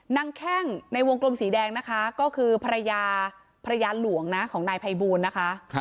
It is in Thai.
แข้งในวงกลมสีแดงนะคะก็คือภรรยาภรรยาหลวงนะของนายภัยบูลนะคะ